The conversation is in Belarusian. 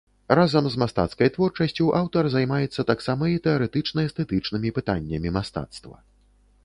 Разам з мастацкай творчасцю, аўтар займаецца таксама і тэарэтычна-эстэтычнымі пытаннямі мастацтва.